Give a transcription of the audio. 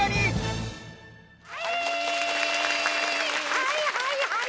はいはいはい。